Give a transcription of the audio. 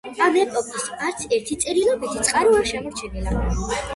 ამ ეპოქის არც ერთი წერილობითი წყარო არ შემორჩენილა.